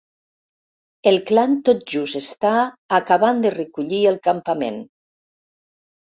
El clan tot just està acabant de recollir el campament.